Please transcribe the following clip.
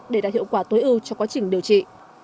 để đạt hiệu quả tối ưu cho quá trình điều trị